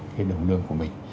cái đồng lương của mình